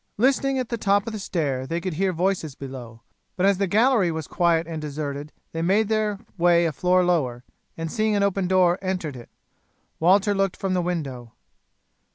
Listening at the top of the stairs they could hear voices below; but as the gallery was quiet and deserted they made their way a floor lower, and seeing an open door entered it. Walter looked from the window.